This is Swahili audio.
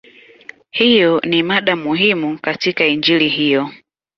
Hiyo ni mada muhimu katika Injili hiyo.